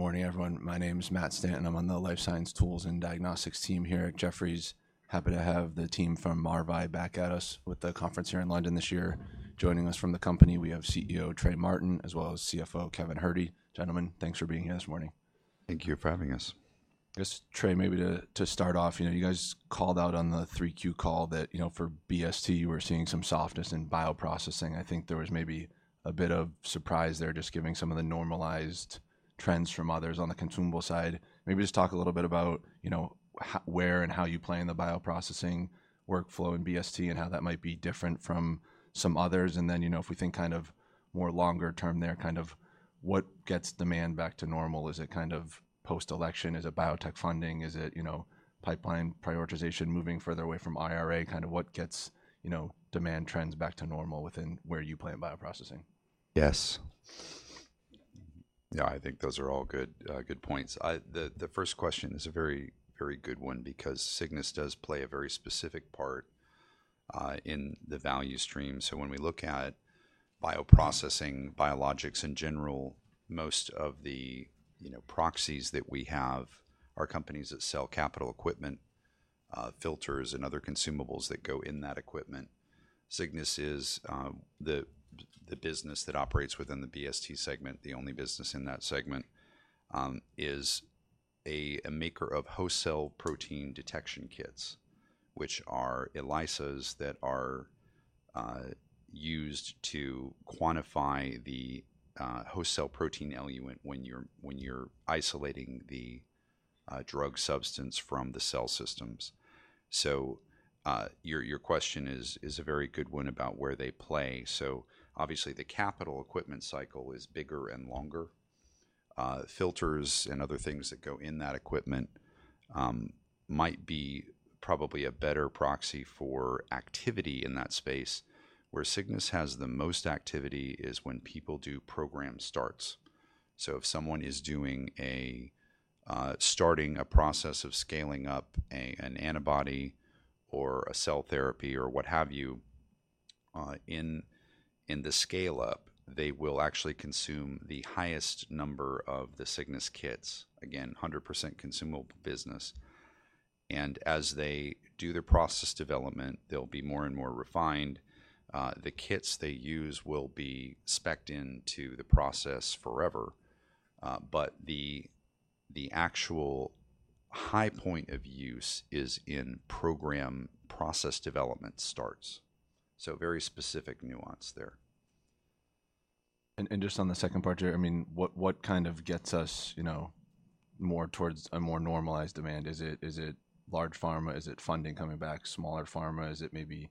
All right, good morning, everyone. My name's Matt Stanton. I'm on the Life Science Tools and Diagnostics team here at Jefferies. Happy to have the team from Maravai back at us with the conference here in London this year. Joining us from the company, we have CEO Trey Martin, as well as CFO Kevin Herde. Gentlemen, thanks for being here this morning. Thank you for having us. Just, Trey, maybe to start off, you know, you guys called out on the 3Q call that, you know, for BST, we're seeing some softness in bioprocessing. I think there was maybe a bit of surprise there, just giving some of the normalized trends from others on the consumable side. Maybe just talk a little bit about, you know, where and how you play in the bioprocessing workflow in BST and how that might be different from some others. And then, you know, if we think kind of more longer term there, kind of what gets demand back to normal? Is it kind of post-election? Is it biotech funding? Is it, you know, pipeline prioritization, moving further away from IRA? Kind of what gets, you know, demand trends back to normal within where you play in bioprocessing? Yes. Yeah, I think those are all good, good points. The first question is a very, very good one because Cygnus does play a very specific part in the value stream. So when we look at bioprocessing, biologics in general, most of the, you know, proxies that we have are companies that sell capital equipment, filters, and other consumables that go in that equipment. Cygnus is the business that operates within the BST segment, the only business in that segment, is a maker of host cell protein detection kits, which are ELISAs that are used to quantify the host cell protein eluent when you're isolating the drug substance from the cell systems. So your question is a very good one about where they play. So obviously, the capital equipment cycle is bigger and longer. Filters and other things that go in that equipment might be probably a better proxy for activity in that space. Where Cygnus has the most activity is when people do program starts. So if someone is starting a process of scaling up an antibody or a cell therapy or what have you in the scale-up, they will actually consume the highest number of the Cygnus kits. Again, 100% consumable business. And as they do their process development, they'll be more and more refined. The kits they use will be specced into the process forever. But the actual high point of use is in program process development starts. So very specific nuance there. Just on the second part, I mean, what kind of gets us, you know, more towards a more normalized demand? Is it large pharma? Is it funding coming back? Smaller pharma? Is it maybe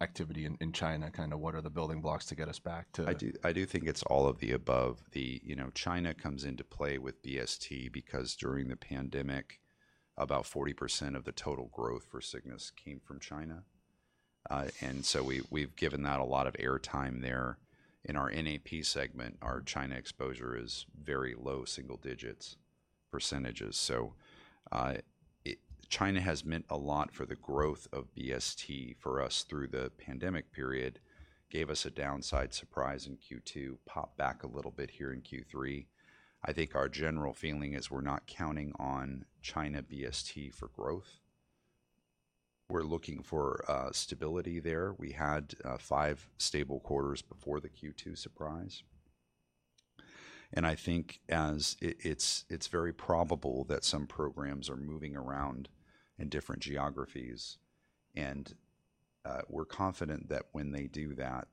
activity in China? Kind of what are the building blocks to get us back to? I do think it's all of the above. The, you know, China comes into play with BST because during the pandemic, about 40% of the total growth for Cygnus came from China. And so we've given that a lot of airtime there. In our NAP segment, our China exposure is very low, single digits percentages. So China has meant a lot for the growth of BST for us through the pandemic period, gave us a downside surprise in Q2, popped back a little bit here in Q3. I think our general feeling is we're not counting on China BST for growth. We're looking for stability there. We had five stable quarters before the Q2 surprise. And I think it's very probable that some programs are moving around in different geographies. And we're confident that when they do that,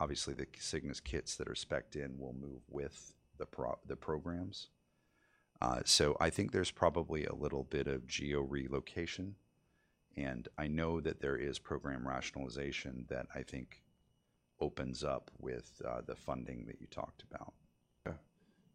obviously the Cygnus kits that are specced in will move with the programs. So I think there's probably a little bit of geo-relocation. And I know that there is program rationalization that I think opens up with the funding that you talked about.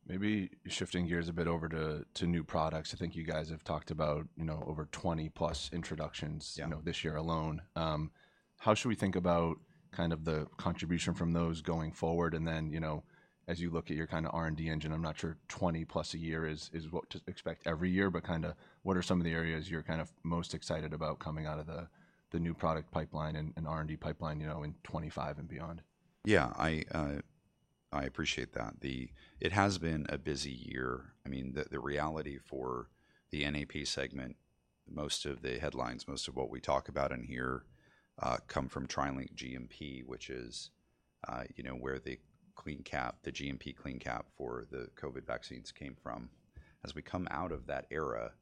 Maybe shifting gears a bit over to new products. I think you guys have talked about, you know, over 20+ introductions, you know, this year alone. How should we think about kind of the contribution from those going forward? And then, you know, as you look at your kind of R&D engine, I'm not sure 20 plus a year is what to expect every year, but kind of what are some of the areas you're kind of most excited about coming out of the new product pipeline and R&D pipeline, you know, in 2025 and beyond? Yeah, I appreciate that. It has been a busy year. I mean, the reality for the NAP segment, most of the headlines, most of what we talk about in here come from TriLink GMP, which is, you know, where the CleanCap, the GMP CleanCap for the COVID vaccines came from. As we come out of that era,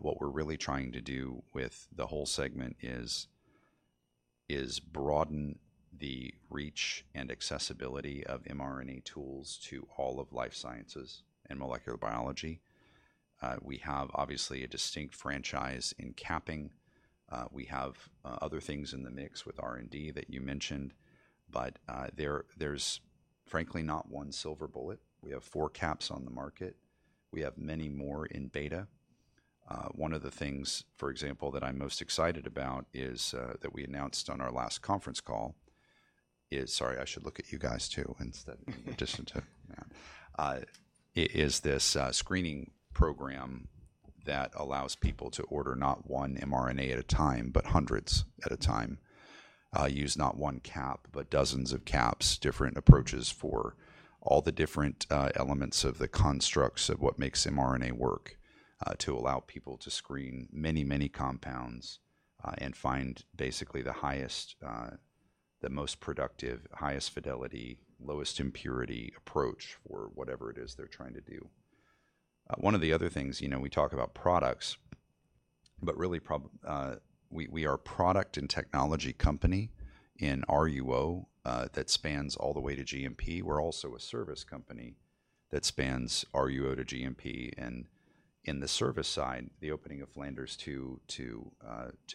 what we're really trying to do with the whole segment is broaden the reach and accessibility of mRNA tools to all of life sciences and molecular biology. We have obviously a distinct franchise in capping. We have other things in the mix with R&D that you mentioned. But there's frankly not one silver bullet. We have four caps on the market. We have many more in beta. One of the things, for example, that I'm most excited about is that we announced on our last conference call. Sorry, I should look at you guys too instead of in addition to man. It is this screening program that allows people to order not one mRNA at a time, but hundreds at a time. Use not one cap, but dozens of caps, different approaches for all the different elements of the constructs of what makes mRNA work to allow people to screen many, many compounds and find basically the highest, the most productive, highest fidelity, lowest impurity approach for whatever it is they're trying to do. One of the other things, you know, we talk about products, but really we are a product and technology company in RUO that spans all the way to GMP. We're also a service company that spans RUO to GMP. In the service side, the opening of Flanders to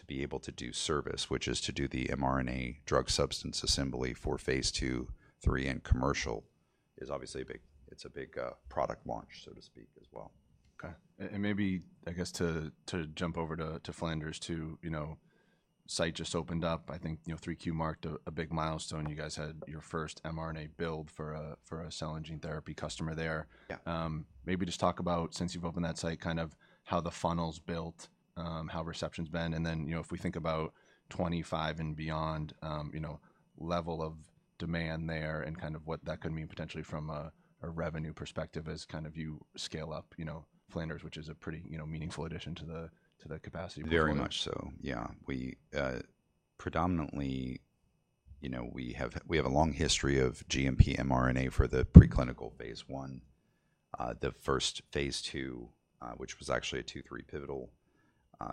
be able to do service, which is to do the mRNA drug substance assembly for phase II, three, and commercial is obviously a big. It's a big product launch, so to speak, as well. Okay. And maybe, I guess to jump over to Flanders too, you know, site just opened up. I think, you know, 3Q marked a big milestone. You guys had your first mRNA build for a cell and gene therapy customer there. Maybe just talk about, since you've opened that site, kind of how the funnel's built, how reception's been. And then, you know, if we think about 2025 and beyond, you know, level of demand there and kind of what that could mean potentially from a revenue perspective as kind of you scale up, you know, Flanders, which is a pretty, you know, meaningful addition to the capacity profile. Very much so. Yeah. We predominantly, you know, we have a long history of GMP mRNA for the preclinical phase I. The first phase II, which was actually a 2/3 pivotal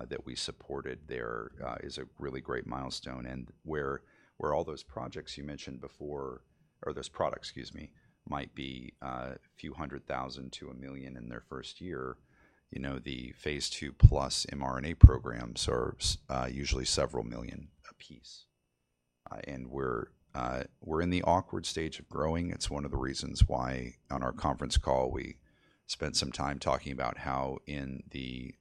that we supported there, is a really great milestone. And where all those projects you mentioned before, or those products, excuse me, might be a few hundred thousand to a million in their first year, you know, the phase II plus mRNA programs are usually several million apiece. And we're in the awkward stage of growing. It's one of the reasons why on our conference call, we spent some time talking about how in the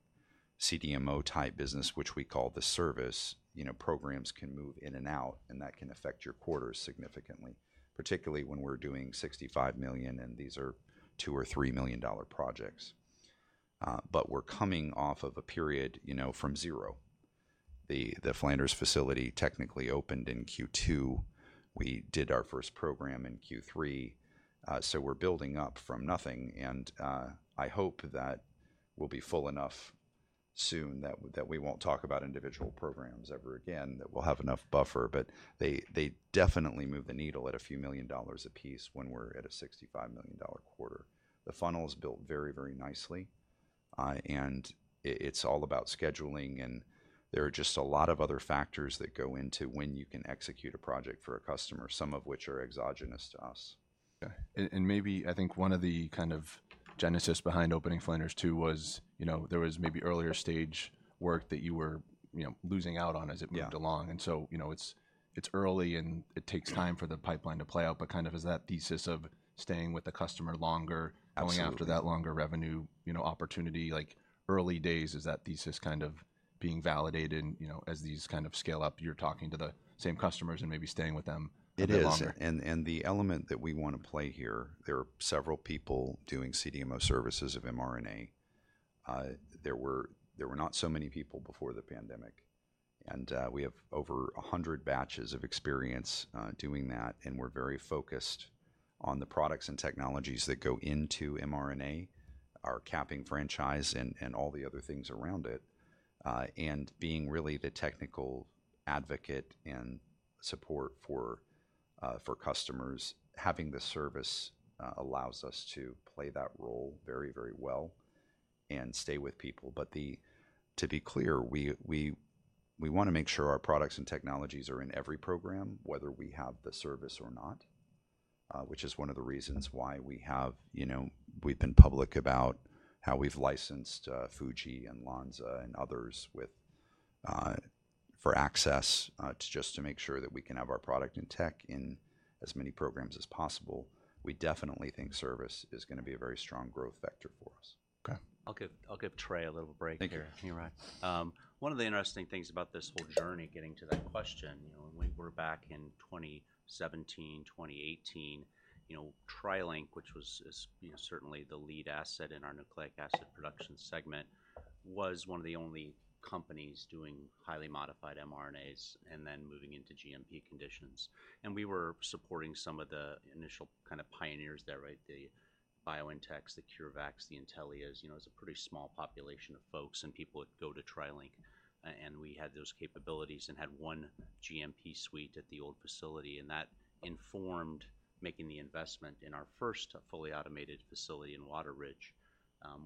CDMO type business, which we call the service, you know, programs can move in and out, and that can affect your quarters significantly, particularly when we're doing $65 million, and these are $2 million-$3 million projects. But we're coming off of a period, you know, from zero. The Flanders facility technically opened in Q2. We did our first program in Q3. So we're building up from nothing. And I hope that we'll be full enough soon that we won't talk about individual programs ever again, that we'll have enough buffer. But they definitely move the needle at a few million dollars apiece when we're at a $65 million quarter. The funnel's built very, very nicely. And it's all about scheduling. And there are just a lot of other factors that go into when you can execute a project for a customer, some of which are exogenous to us. Okay. And maybe I think one of the kind of genesis behind opening Flanders 2 was, you know, there was maybe earlier stage work that you were, you know, losing out on as it moved along. And so, you know, it's early and it takes time for the pipeline to play out. But kind of is that thesis of staying with the customer longer, going after that longer revenue, you know, opportunity, like early days, is that thesis kind of being validated, you know, as these kind of scale up, you're talking to the same customers and maybe staying with them a bit longer. It is, and the element that we want to play here, there are several people doing CDMO services of mRNA. There were not so many people before the pandemic, and we have over a hundred batches of experience doing that, and we're very focused on the products and technologies that go into mRNA, our capping franchise, and all the other things around it, and being really the technical advocate and support for customers, having the service allows us to play that role very, very well and stay with people. But to be clear, we want to make sure our products and technologies are in every program, whether we have the service or not, which is one of the reasons why we have, you know, we've been public about how we've licensed Fuji and Lonza and others for access just to make sure that we can have our product and tech in as many programs as possible. We definitely think service is going to be a very strong growth vector for us. Okay. I'll give Trey a little break here. Thank you. One of the interesting things about this whole journey, getting to that question, you know, when we were back in 2017, 2018, you know, TriLink, which was certainly the lead asset in our nucleic acid production segment, was one of the only companies doing highly modified mRNAs and then moving into GMP conditions. And we were supporting some of the initial kind of pioneers there, right? The BioNTechs, the CureVacs, the Intellias, you know, it's a pretty small population of folks and people that go to TriLink. And we had those capabilities and had one GMP suite at the old facility. And that informed making the investment in our first fully automated facility in Wateridge,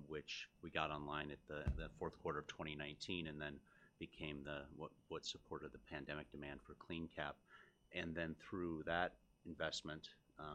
which we got online at the fourth quarter of 2019 and then became the what supported the pandemic demand for CleanCap. And then through that investment, that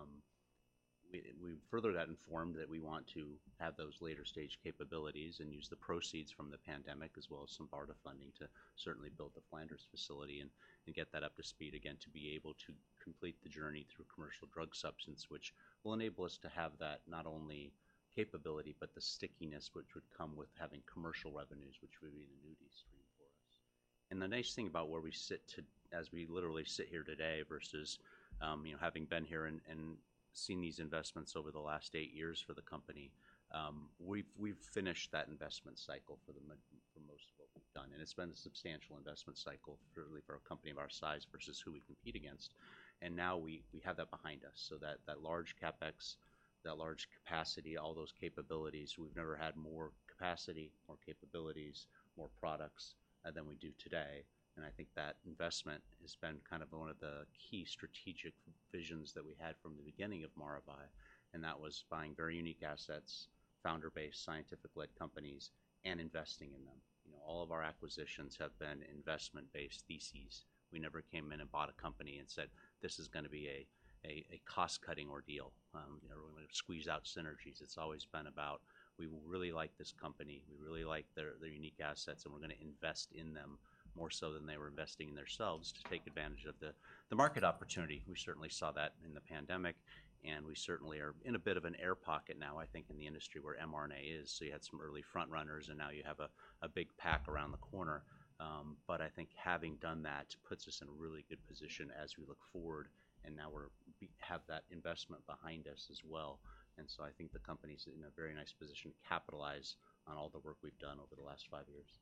further informed that we want to have those later-stage capabilities and use the proceeds from the pandemic as well as some BARDA funding to certainly build the Flanders facility and get that up to speed again to be able to complete the journey through commercial drug substance, which will enable us to have that not only capability, but the stickiness which would come with having commercial revenues, which would be the annuity stream for us. And the nice thing about where we sit as we literally sit here today versus, you know, having been here and seen these investments over the last eight years for the company, we've finished that investment cycle for most of what we've done. And it's been a substantial investment cycle for a company of our size versus who we compete against. Now we have that behind us. That large CapEx, that large capacity, all those capabilities, we've never had more capacity, more capabilities, more products than we do today. I think that investment has been kind of one of the key strategic visions that we had from the beginning of Maravai. That was buying very unique assets, founder-based, scientific-led companies, and investing in them. You know, all of our acquisitions have been investment-based theses. We never came in and bought a company and said, "This is going to be a cost-cutting ordeal. We're going to squeeze out synergies." It's always been about, "We really like this company. We really like their unique assets, and we're going to invest in them more so than they were investing in themselves to take advantage of the market opportunity." We certainly saw that in the pandemic. And we certainly are in a bit of an air pocket now, I think, in the industry where mRNA is. So you had some early front runners, and now you have a big pack around the corner. But I think having done that puts us in a really good position as we look forward. And now we have that investment behind us as well. And so I think the company's in a very nice position to capitalize on all the work we've done over the last five years.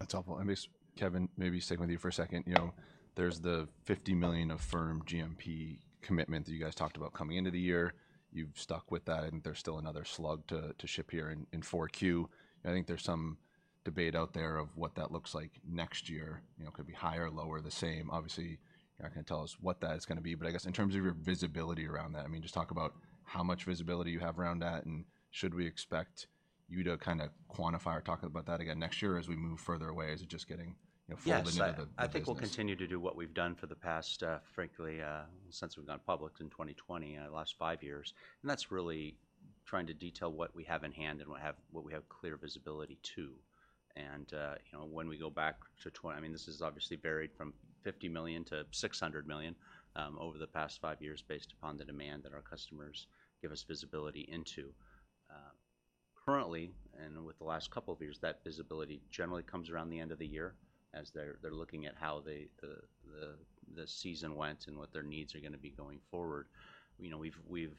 That's helpful. And Kevin, maybe staying with you for a second, you know, there's the $50 million of firm GMP commitment that you guys talked about coming into the year. You've stuck with that. I think there's still another slug to ship here in 4Q. I think there's some debate out there of what that looks like next year. You know, it could be higher, lower, the same. Obviously, you're not going to tell us what that's going to be. But I guess in terms of your visibility around that, I mean, just talk about how much visibility you have around that. And should we expect you to kind of quantify or talk about that again next year as we move further away? Is it just getting further into the? I think we'll continue to do what we've done for the past, frankly, since we've gone public in 2020, the last five years, and that's really trying to detail what we have in hand and what we have clear visibility to. And, you know, when we go back to, I mean, this is obviously varied from $50 million-$600 million over the past five years based upon the demand that our customers give us visibility into. Currently, and with the last couple of years, that visibility generally comes around the end of the year as they're looking at how the season went and what their needs are going to be going forward. You know, we've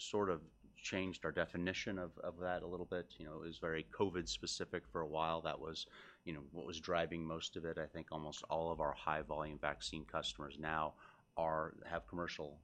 sort of changed our definition of that a little bit. You know, it was very COVID specific for a while. That was, you know, what was driving most of it. I think almost all of our high volume vaccine customers now have commercial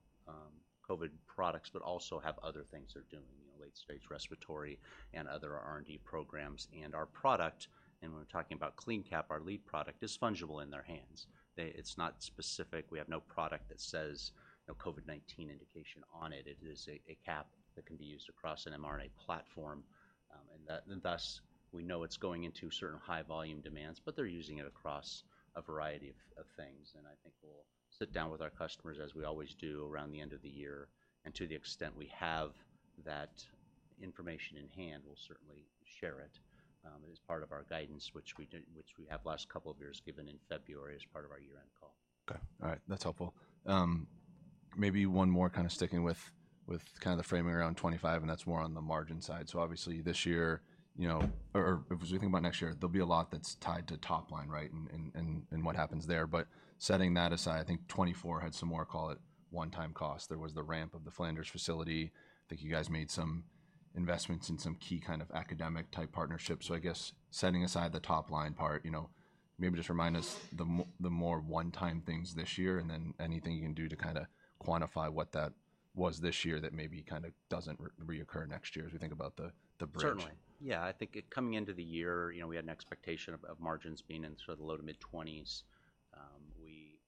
COVID products, but also have other things they're doing, you know, late stage respiratory and other R&D programs. And our product, and when we're talking about CleanCap, our lead product is fungible in their hands. It's not specific. We have no product that says no COVID-19 indication on it. It is a cap that can be used across an mRNA platform. And thus we know it's going into certain high volume demands, but they're using it across a variety of things. And I think we'll sit down with our customers, as we always do, around the end of the year. And to the extent we have that information in hand, we'll certainly share it as part of our guidance, which we have last couple of years given in February as part of our year-end call. Okay. All right. That's helpful. Maybe one more kind of sticking with kind of the framing around 2025, and that's more on the margin side, so obviously this year, you know, or if we think about next year, there'll be a lot that's tied to top line, right, and what happens there, but setting that aside, I think 2024 had some more, call it one-time costs. There was the ramp of the Flanders facility. I think you guys made some investments in some key kind of academic type partnerships, so I guess setting aside the top line part, you know, maybe just remind us the more one-time things this year and then anything you can do to kind of quantify what that was this year that maybe kind of doesn't reoccur next year as we think about the break. Certainly. Yeah. I think coming into the year, you know, we had an expectation of margins being in sort of the low- to mid-20s. We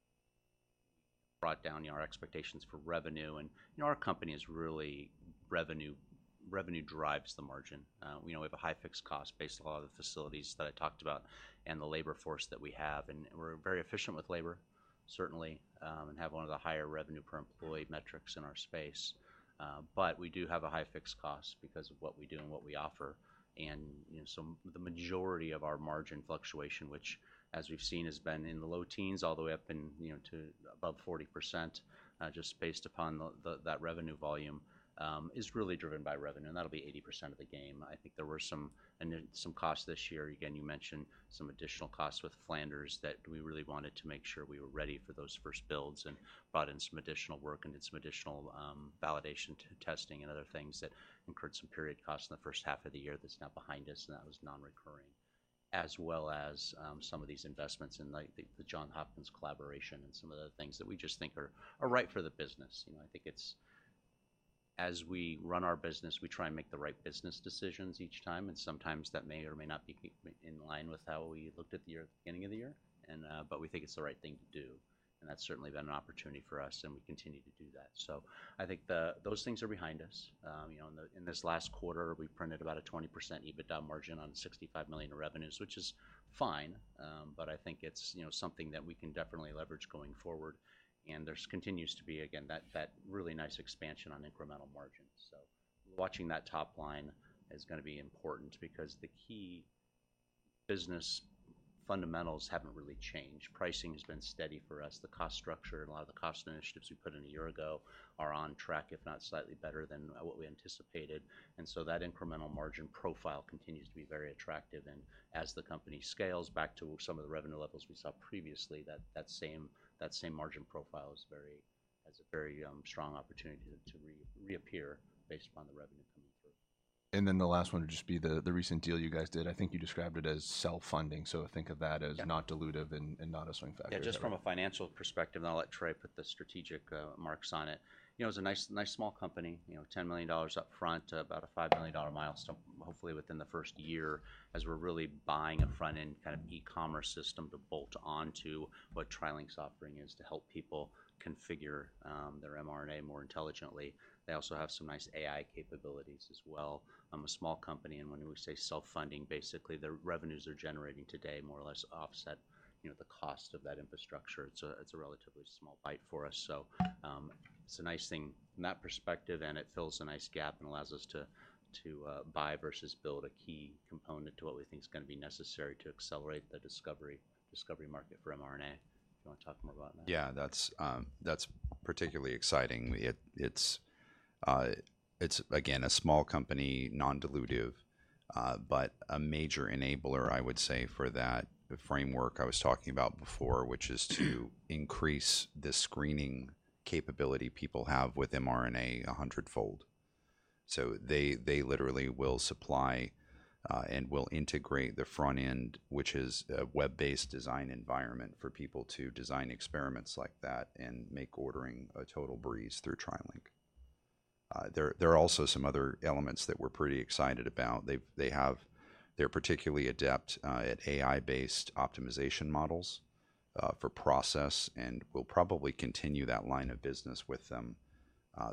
brought down our expectations for revenue. You know, our company is really revenue drives the margin. You know, we have a high fixed cost based on a lot of the facilities that I talked about and the labor force that we have. And we're very efficient with labor, certainly, and have one of the higher revenue per employee metrics in our space. But we do have a high fixed cost because of what we do and what we offer. You know, so the majority of our margin fluctuation, which as we've seen has been in the low teens all the way up in, you know, to above 40% just based upon that revenue volume, is really driven by revenue. And that'll be 80% of the game. I think there were some costs this year. Again, you mentioned some additional costs with Flanders that we really wanted to make sure we were ready for those first builds and brought in some additional work and did some additional validation testing and other things that incurred some period costs in the first half of the year, that's now behind us. And that was non-recurring, as well as some of these investments in the Johns Hopkins collaboration and some of the things that we just think are right for the business. You know, I think it's as we run our business, we try and make the right business decisions each time. And sometimes that may or may not be in line with how we looked at the beginning of the year. And, but we think it's the right thing to do. And that's certainly been an opportunity for us. And we continue to do that. So I think those things are behind us. You know, in this last quarter, we printed about a 20% EBITDA margin on $65 million revenues, which is fine. But I think it's, you know, something that we can definitely leverage going forward. And there continues to be, again, that really nice expansion on incremental margins. So watching that top line is going to be important because the key business fundamentals haven't really changed. Pricing has been steady for us. The cost structure and a lot of the cost initiatives we put in a year ago are on track, if not slightly better than what we anticipated. And so that incremental margin profile continues to be very attractive. As the company scales back to some of the revenue levels we saw previously, that same margin profile is a very strong opportunity to reappear based upon the revenue coming through. And then the last one would just be the recent deal you guys did. I think you described it as self-funding. So think of that as not dilutive and not a swing factor. Yeah. Just from a financial perspective, and I'll let Trey put the strategic marks on it. You know, it was a nice small company, you know, $10 million upfront, about a $5 million milestone, hopefully within the first year as we're really buying a front-end kind of e-commerce system to bolt onto what TriLink's offering is to help people configure their mRNA more intelligently. They also have some nice AI capabilities as well. It's a small company. And when we say self-funding, basically the revenues they're generating today more or less offset, you know, the cost of that infrastructure. It's a relatively small bite for us. So it's a nice thing from that perspective. And it fills a nice gap and allows us to buy versus build a key component to what we think is going to be necessary to accelerate the discovery market for mRNA. Do you want to talk more about that? Yeah. That's particularly exciting. It's, again, a small company, non-dilutive, but a major enabler, I would say, for that framework I was talking about before, which is to increase the screening capability people have with mRNA 100-fold. So they literally will supply and will integrate the front-end, which is a web-based design environment for people to design experiments like that and make ordering a total breeze through TriLink. There are also some other elements that we're pretty excited about. They're particularly adept at AI-based optimization models for process and will probably continue that line of business with them.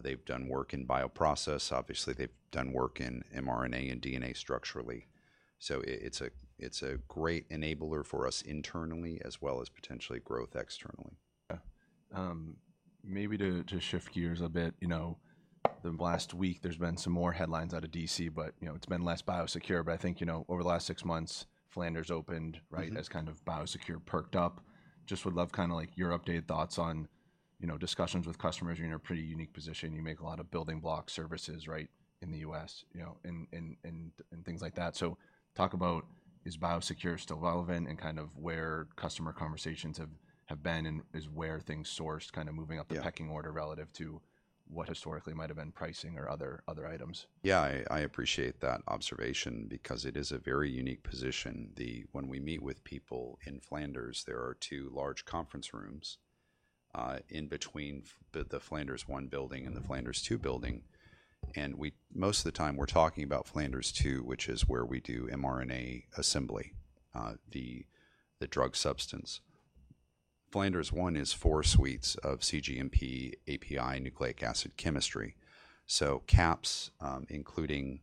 They've done work in bioprocessing. Obviously, they've done work in mRNA and DNA structurally. So it's a great enabler for us internally as well as potential growth externally. Yeah. Maybe to shift gears a bit, you know, the last week there's been some more headlines out of D.C., but, you know, it's been less BIOSECURE. But I think, you know, over the last six months, Flanders opened, right, as kind of BIOSECURE perked up. Just would love kind of like your updated thoughts on, you know, discussions with customers. You're in a pretty unique position. You make a lot of building block services, right, in the U.S., you know, and things like that. So talk about is BIOSECURE still relevant and kind of where customer conversations have been and is where things sourced kind of moving up the pecking order relative to what historically might have been pricing or other items. Yeah. I appreciate that observation because it is a very unique position. When we meet with people in Flanders, there are two large conference rooms in between the Flanders 1 building and the Flanders 2 building, and most of the time we're talking about Flanders 2, which is where we do mRNA assembly, the drug substance. Flanders 1 is four suites of cGMP API nucleic acid chemistry. So caps, including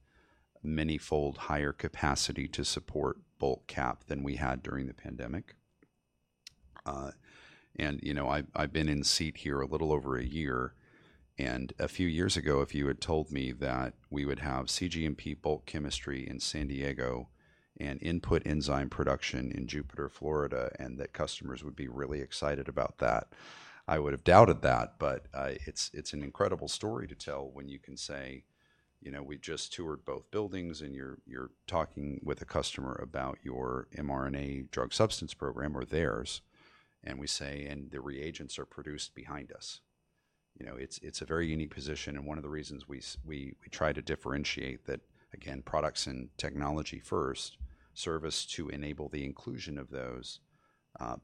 many-fold higher capacity to support bulk cap than we had during the pandemic, and, you know, I've been in seat here a little over a year, and a few years ago, if you had told me that we would have cGMP bulk chemistry in San Diego and input enzyme production in Jupiter, Florida, and that customers would be really excited about that, I would have doubted that. But it's an incredible story to tell when you can say, you know, we just toured both buildings and you're talking with a customer about your mRNA drug substance program or theirs. And we say, and the reagents are produced behind us. You know, it's a very unique position. And one of the reasons we try to differentiate that, again, products and technology first service to enable the inclusion of those,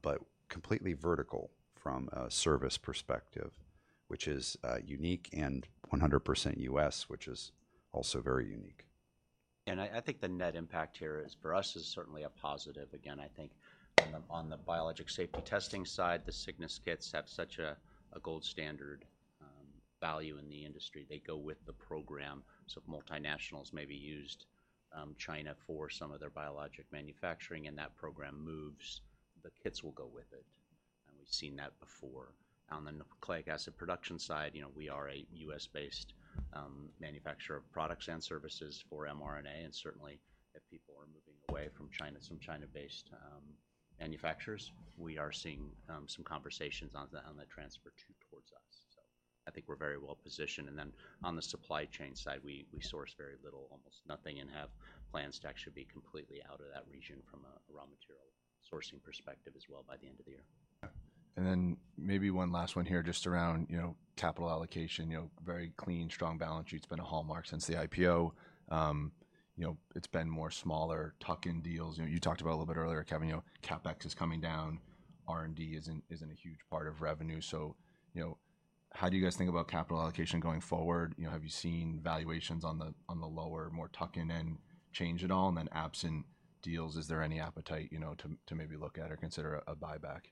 but completely vertical from a service perspective, which is unique and 100% U.S., which is also very unique. I think the net impact here is for us is certainly a positive. Again, I think on the biologics safety testing side, the Cygnus kits have such a gold standard value in the industry. They go with the program. Multinationals may be using China for some of their biologics manufacturing. That program moves, the kits will go with it. We've seen that before. On the nucleic acid production side, you know, we are a U.S.-based manufacturer of products and services for mRNA. Certainly if people are moving away from China, some China-based manufacturers, we are seeing some conversations on that transfer towards us. I think we're very well positioned. And then on the supply chain side, we source very little, almost nothing, and have plans to actually be completely out of that region from a raw material sourcing perspective as well by the end of the year. Okay. And then maybe one last one here just around, you know, capital allocation. You know, very clean, strong balance sheet has been a hallmark since the IPO. You know, it's been more smaller tuck-in deals. You talked about a little bit earlier, Kevin. You know, CapEx is coming down. R&D isn't a huge part of revenue. So, you know, how do you guys think about capital allocation going forward? You know, have you seen valuations on the lower, more tuck-in end change at all? And then absent deals, is there any appetite, you know, to maybe look at or consider a buyback?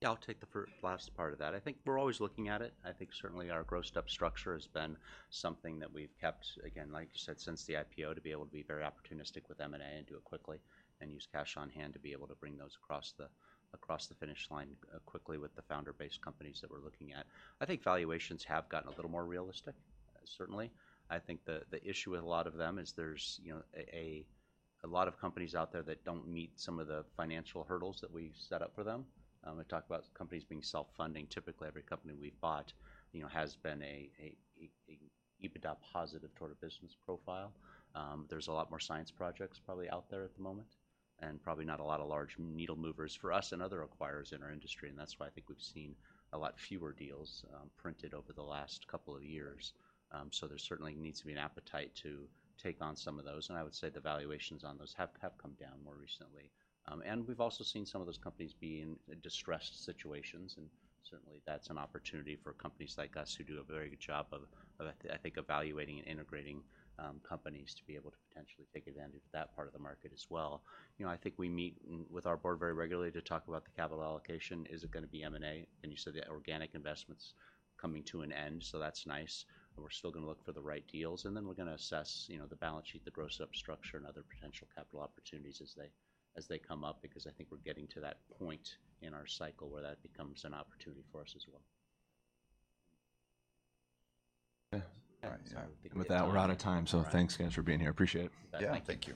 Yeah. I'll take the last part of that. I think we're always looking at it. I think certainly our low debt structure has been something that we've kept, again, like you said, since the IPO to be able to be very opportunistic with M&A and do it quickly and use cash on hand to be able to bring those across the finish line quickly with the founder-based companies that we're looking at. I think valuations have gotten a little more realistic, certainly. I think the issue with a lot of them is there's, you know, a lot of companies out there that don't meet some of the financial hurdles that we set up for them. We talk about companies being self-funding. Typically, every company we've bought, you know, has been an EBITDA-positive business profile. There's a lot more science projects probably out there at the moment and probably not a lot of large needle movers for us and other acquirers in our industry, and that's why I think we've seen a lot fewer deals printed over the last couple of years, so there certainly needs to be an appetite to take on some of those, and I would say the valuations on those have come down more recently, and we've also seen some of those companies be in distressed situations, and certainly that's an opportunity for companies like us who do a very good job of, I think, evaluating and integrating companies to be able to potentially take advantage of that part of the market as well. You know, I think we meet with our board very regularly to talk about the capital allocation: is it going to be M&A? And you said the organic investments coming to an end. So that's nice. We're still going to look for the right deals. And then we're going to assess, you know, the balance sheet, the debt structure, and other potential capital opportunities as they come up because I think we're getting to that point in our cycle where that becomes an opportunity for us as well. Okay. All right. So with that, we're out of time. So thanks again for being here. Appreciate it. Yeah. Thank you.